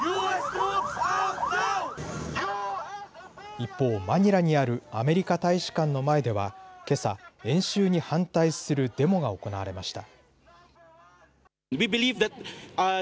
一方、マニラにあるアメリカ大使館の前ではけさ演習に反対するデモが行われました。